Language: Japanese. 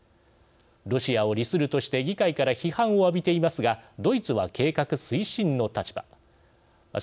ロシアを利するとして議会から批判を浴びていますがドイツは計画推進の立場です。